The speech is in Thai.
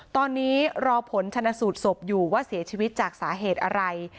ตอนนี้รอผลชนสูตรศพอยู่ว่าเสียชีวิตจากสาเหตุอะไร